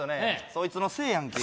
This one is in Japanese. そいつのせいやんけ。